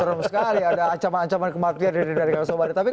serum sekali ada ancaman ancaman kematian dari kang sobari